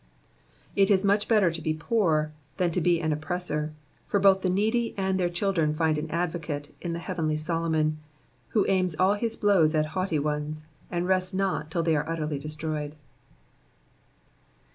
It 18 much better to be poor than to be an oppressor ; for both the needy and their children find an advocate in the heavenly Solomon, who aims all his blows at haughty ones, and rests not till they are utterly destroyed.